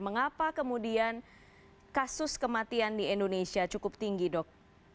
mengapa kemudian kasus kematian di indonesia cukup tinggi dok